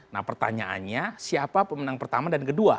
nah pertanyaannya siapa pemenang pertama dan kedua